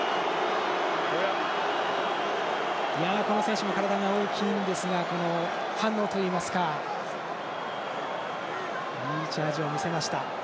この選手も体が大きいんですが反応といいますかいいチャージを見せました。